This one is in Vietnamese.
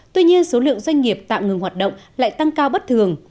tuy nhiên số lượng doanh nghiệp tạm ngừng hoạt động lại tăng cao bất thường